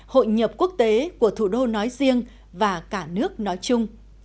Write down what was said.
hội nhập quốc tế của thủ đô nói riêng và cả nước nói chung